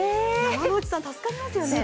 山内さん、助かりますよね。